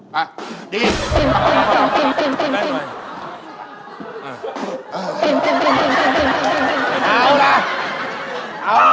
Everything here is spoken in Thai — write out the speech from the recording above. แม่หน้าของพ่อหน้าของพ่อหน้า